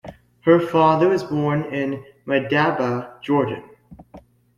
Her father was born in Madaba, Jordan.